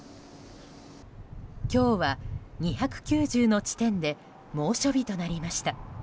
今日は２９０の地点で猛暑日となりました。